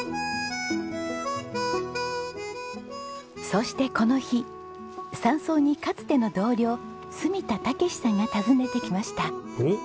そしてこの日山荘にかつての同僚墨田剛さんが訪ねてきました。